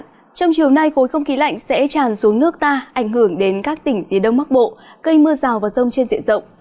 trong chiều nay khối không khí lạnh sẽ tràn xuống nước ta ảnh hưởng đến các tỉnh phía đông bắc bộ cây mưa rào và rông trên diện rộng